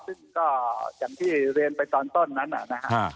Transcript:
ซึ่งก็อย่างที่เรียนไปตอนต้นนั้นนะครับ